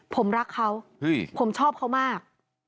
ผมรักเขาผมชอบเขามาก